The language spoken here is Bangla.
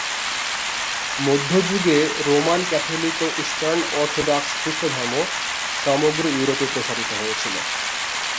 মধ্যযুগে রোমান ক্যাথলিক ও ইস্টার্ন অর্থোডক্স খ্রিস্টধর্ম সমগ্র ইউরোপে প্রসারিত হয়েছিল।